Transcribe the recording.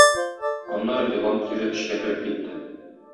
Аннары елан кире эчкә кереп китте.